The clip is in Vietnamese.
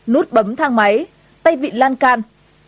nút bấm thang máy tay vịn lan can